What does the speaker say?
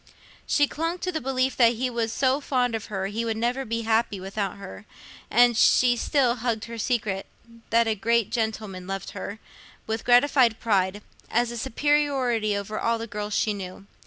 She clung to the belief that he was so fond of her, he would never be happy without her; and she still hugged her secret—that a great gentleman loved her—with gratified pride, as a superiority over all the girls she knew.